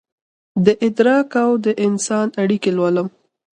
دادراک اودانسان اړیکې لولم